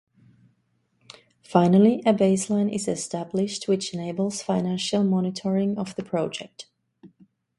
Finally, a baseline is established, which enables financial monitoring of the project.